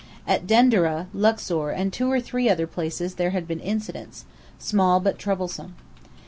At Denderah, Luxor, and two or three other places there had been "incidents," small but troublesome.